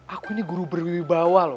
aku ini guru berwibawa loh